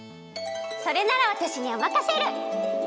それならわたしにおまかシェル！